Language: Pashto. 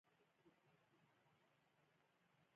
د پراخېدونکې ټکنالوژۍ پر وړاندې ودرېدل.